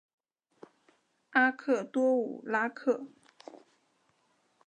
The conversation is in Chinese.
阿克多武拉克。